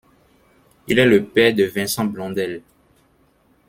Il est le père de Vincent Blondel.